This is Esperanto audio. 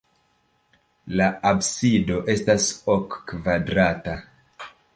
La absido estas ok-kvadrata.